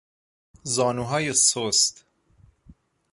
زانوهای سست